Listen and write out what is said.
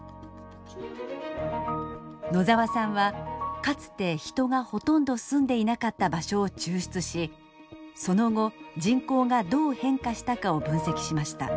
野澤さんはかつて人がほとんど住んでいなかった場所を抽出しその後人口がどう変化したかを分析しました。